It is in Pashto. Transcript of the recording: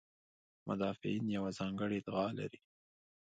مدافعین یوه ځانګړې ادعا لري.